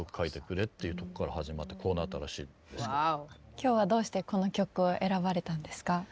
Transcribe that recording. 今日はどうしてこの曲を選ばれたんですか？